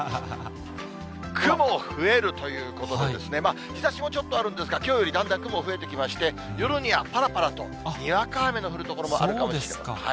雲増えるということで、日ざしもちょっとあるんですが、きょうよりだんだん雲、増えてきまして、夜にはぱらぱらとにわか雨の降る所もある感じです。